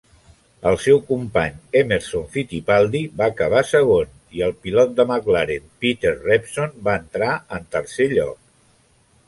El seu company Emerson Fittipaldi va acabar segon i el pilot de McLaren Peter Revson va entrar en tercer lloc.